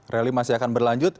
rally masih akan berlanjut